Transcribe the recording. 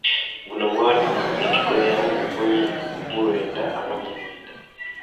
Buno bwatuuka ku ntikko yaabwo mu lukumi mu lwenda ana mu mwenda.